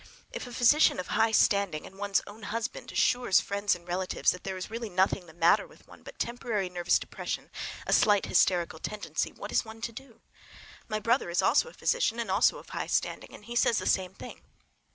If a physician of high standing, and one's own husband, assures friends and relatives that there is really nothing the matter with one but temporary nervous depression—a slight hysterical tendency—what is one to do? My brother is also a physician, and also of high standing, and he says the same thing.